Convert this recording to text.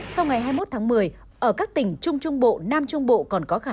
sau ngày hai mươi một tháng một mươi ở các tỉnh trung trung bộ nam trung bộ còn có khả năng